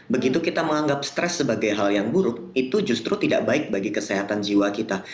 begitu kita menganggap stres sebagai hal yang buruk itu justru tidak baik bagi kesehatan jiwa kita